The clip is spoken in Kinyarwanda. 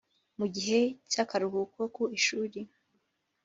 Mu gihe cy’akaruhuko ku ishuli